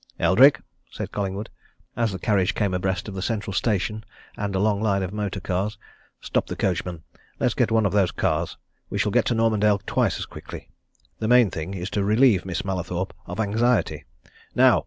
"Eldrick!" said Collingwood, as the carriage came abreast of the Central Station and a long line of motorcars. "Stop the coachman! Let's get one of those cars we shall get to Normandale twice as quickly. The main thing is to relieve Miss Mallathorpe of anxiety. Now!"